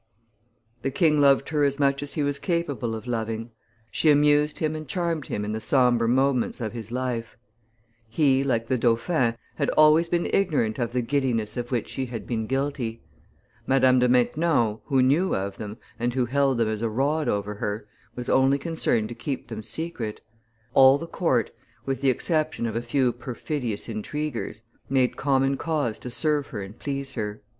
The king loved her as much as he was capable of loving; she amused him and charmed him in the sombre moments of his life; he, like the dauphin, had always been ignorant of the giddiness of which she had been guilty; Madame de Maintenon, who knew of them, and who held them as a rod over her, was only concerned to keep them secret; all the court, with the exception of a few perfidious intriguers, made common cause to serve her and please her.